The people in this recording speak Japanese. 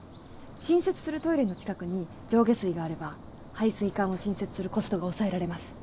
新設するトイレの近くに上下水があれば配水管を新設するコストが抑えられます。